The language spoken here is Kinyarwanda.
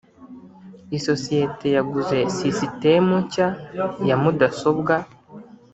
isosiyete yaguze sisitemu nshya ya mudasobwa.